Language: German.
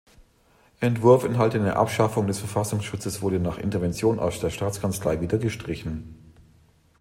Entwurf enthaltene Abschaffung des Verfassungsschutzes wurde nach Intervention aus der Staatskanzlei wieder gestrichen.